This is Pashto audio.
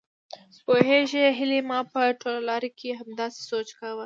پوهېږې هيلې ما په ټوله لار کې همداسې سوچ کاوه.